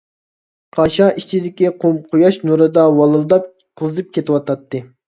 قاشا ئىچىدىكى قۇم قۇياش نۇرىدا ۋالىلداپ قىزىپ كېتىۋاتاتتى.